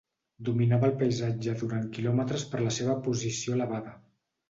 Dominava el paisatge durant quilòmetres per la seva posició elevada.